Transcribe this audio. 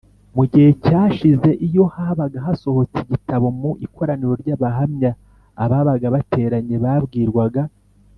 Mu gihe cyashize iyo habaga hasohotse igitabo mu ikoraniro ry abahamya ababaga bateranye babwirwaga